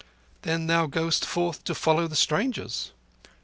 "Then thou goest forth to follow the strangers?"